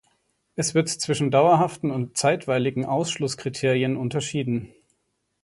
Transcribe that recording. Es wird zwischen dauerhaften und zeitweiligen Ausschlusskriterien unterschieden.